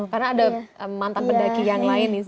karena ada mantan pendaki yang lain istilahnya